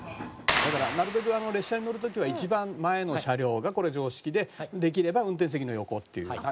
だからなるべく列車に乗る時は一番前の車両がこれ常識でできれば運転席の横っていう。